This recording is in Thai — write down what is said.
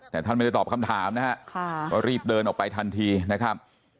แต่ท่านไม่ได้ตอบคำถามนะฮะก็รีบเดินออกไปทันทีนะครับ